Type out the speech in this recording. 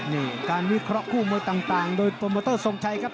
นี่การวิเคราะห์คู่มวยต่างโดยโปรโมเตอร์ทรงชัยครับ